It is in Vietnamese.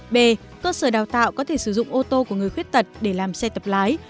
b cơ sở đào tạo có thể sử dụng ô tô của người khuyết tật để làm xe tập lái